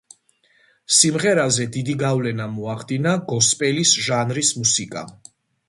სიმღერაზე დიდი გავლენა მოახდინა გოსპელის ჟანრის მუსიკამ.